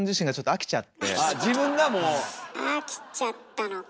飽きちゃったのか。